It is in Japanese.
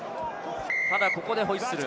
ただここでホイッスル。